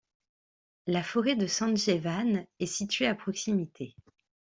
La forêt de Sanjay Van est située à proximité.